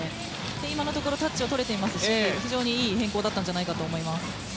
今のところタッチを取れていますし非常にいい変更だったと思います。